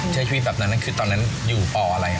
ใช้ชีวิตแบบนั้นคือตอนนั้นอยู่ปอะไร